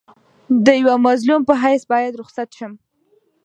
د یوه مظلوم په حیث باید رخصت شم.